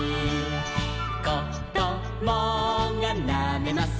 「こどもがなめます